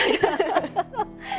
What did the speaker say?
ハハハハ！